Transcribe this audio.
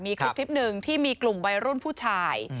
มีคลิปหนึ่งที่มีกลุ่มวัยรุ่นผู้ชาย